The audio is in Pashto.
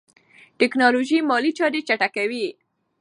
ټیکنالوژي مالي چارې چټکوي.